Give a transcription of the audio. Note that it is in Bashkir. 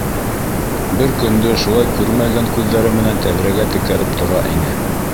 Бер көндө шулай күрмәгән күҙҙәре менән тәҙрәгә текәлеп тора ине.